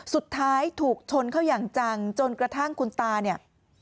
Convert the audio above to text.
สุดท้ายถูกชนเข้าอย่างจังจนกระทั่งคุณตาเนี่ย